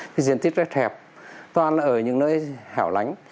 thì diện tích rất hẹp toàn là ở những nơi hẻo lánh